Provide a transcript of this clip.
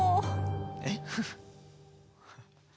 えっ？